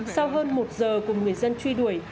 sau hơn một giờ cùng người dân truy đuổi